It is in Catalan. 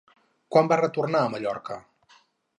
Quan va retornar a Mallorca?